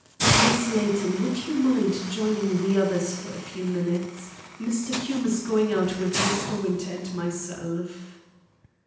"Miss Layton, would you mind joining the others for a few minutes. Mr. Hume is going out with Mr. Winter and myself."